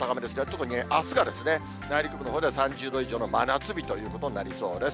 特にあすがですね、内陸部のほうでは３０度以上の真夏日ということになりそうです。